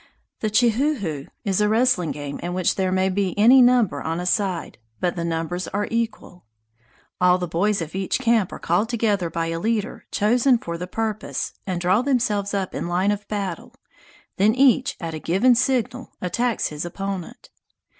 The "Che hoo hoo" is a wrestling game in which there may be any number on a side, but the numbers are equal. All the boys of each camp are called together by a leader chosen for the purpose and draw themselves up in line of battle; then each at a given signal attacks his opponent.